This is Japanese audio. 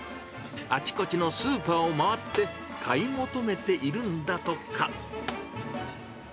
あちこちのスーパーを回って、買い求めているんだとか。